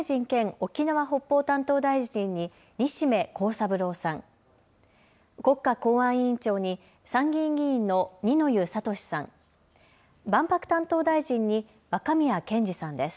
沖縄・北方担当大臣に西銘恒三郎さん、国家公安委員長に参議院議員の二之湯智さん、万博担当大臣に若宮健嗣さんです。